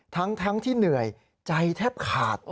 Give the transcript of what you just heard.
ทั้งที่เหนื่อยใจแทบขาด